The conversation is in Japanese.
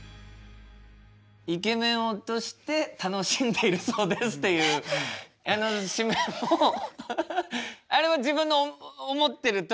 「イケメンを落として楽しんでるそうです」っていうあの締めもあれは自分の思ってるとおり伝えられた？